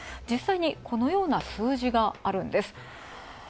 実際にこのような数字があるんです。